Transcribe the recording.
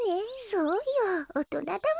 そうよおとなだもんね。